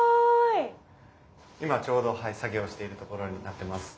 今ちょうど作業しているところになってます。